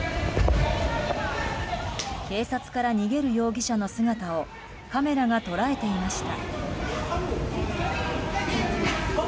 警察から逃げる容疑者の姿をカメラが捉えていました。